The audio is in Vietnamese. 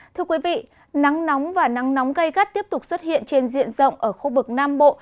thưa quý vị nắng nóng và nắng nóng gây gắt tiếp tục xuất hiện trên diện rộng ở khu vực nam bộ